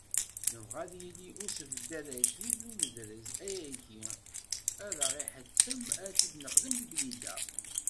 Nebɣa ad yili usebddad-agi s unedrez, ayagi ad aɣ-iḥettem ad t-id-nexdem deg Blida.